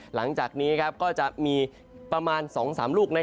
หลังจากนี้ก็จะมีประมาณ๒๓ลูก